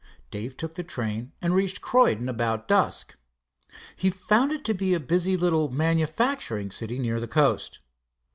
Dave took the train, and reached Croydon about dusk. He found it to be a busy little manufacturing city near the coast.